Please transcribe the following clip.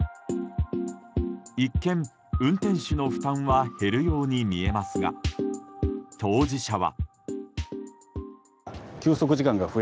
一見、運転手の負担は減るように見えますが当事者は。